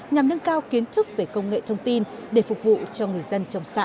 nhằm nâng cao kiến thức về công nghệ thông tin để phục vụ cho người dân trong xã